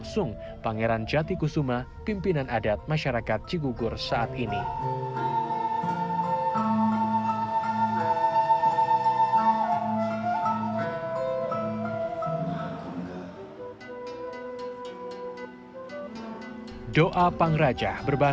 sampai jumpa di video selanjutnya